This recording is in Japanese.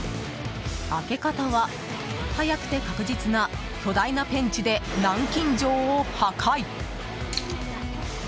開け方は、早くて確実な巨大なペンチで南京錠を破壊。